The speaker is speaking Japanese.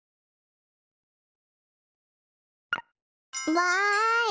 わい！